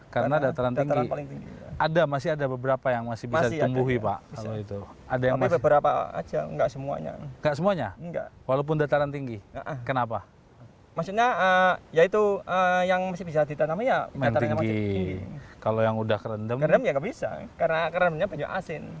kerendam ya nggak bisa karena kerendamnya punya asin